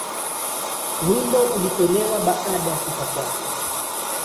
Wimbo ulitolewa baada ya kufa kwake.